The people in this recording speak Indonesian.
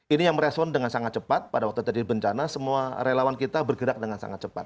ini yang merespon dengan sangat cepat pada waktu terjadi bencana semua relawan kita bergerak dengan sangat cepat